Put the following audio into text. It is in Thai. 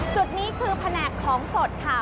จุดนี้คือแผนกของสดค่ะ